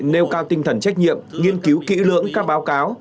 nêu cao tinh thần trách nhiệm nghiên cứu kỹ lưỡng các báo cáo